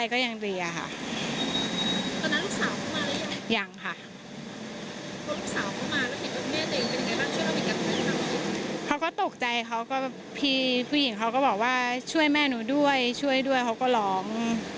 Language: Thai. เขาก็ตกใจเขาก็แบบพี่ผู้หญิงเขาก็บอกว่าช่วยแม่หนูด้วยช่วยด้วยเขาก็ร้อง